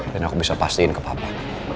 dan aku bisa pastiin ke papa